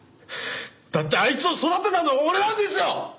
だってあいつを育てたのは俺なんですよ！